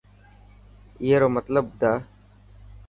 اي رو مطلب ٻڌا.